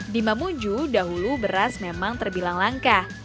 di mamuju dahulu beras memang terbilang langka